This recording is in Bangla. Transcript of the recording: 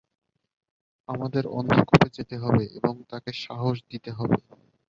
আমাদের অন্ধ্কূপে যেতে হবে এবং তাকে সাহস দিতে হবে।